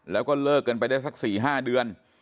แล้วก็เลิกกันไปได้สัก๔๕เดือน